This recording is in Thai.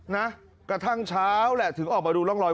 นะกระทั่งเช้าแหละถึงออกมาดูร่องรอย